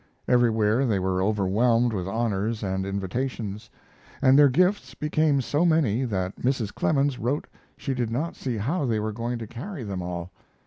Everywhere they were overwhelmed with honors and invitations, and their gifts became so many that Mrs. Clemens wrote she did not see how they were going to carry them all.